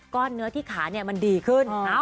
เนื้อที่ขามันดีขึ้น